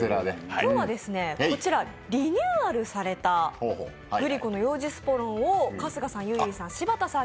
今日はこちらリニューアルされたグリコの幼児スポロンを春日さん、ゆいゆいさん